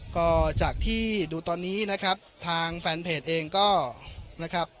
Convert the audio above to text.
ก็จากที่ดูตอนนี้นะครับทางแฟนเพจเองก็นะครับ